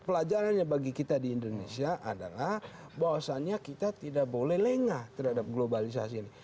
pelajarannya bagi kita di indonesia adalah bahwasannya kita tidak boleh lengah terhadap globalisasi ini